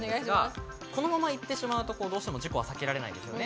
このまま行ってしまうと事故は避けられないですよね。